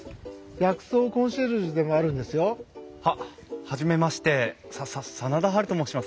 薬草コンシェルジュでもあるんですよ。は初めましてささ真田ハルと申します。